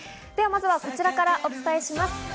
まずは、こちらからお伝えします。